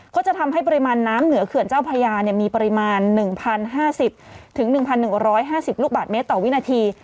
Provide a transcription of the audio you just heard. ก็จะทำให้ปริมาณน้ำเหนือเขื่อนเจ้าพญามีปริมาณ๑๐๕๐๑๑๕๐ลูกบาทเมตรต่อวินาที